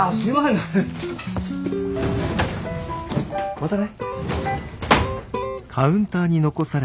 またね。